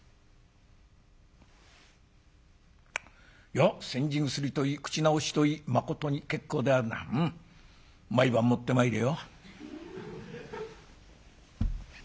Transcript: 「よっ煎じ薬といい口直しといいまことに結構であるなうん。毎晩持ってまいれよ」。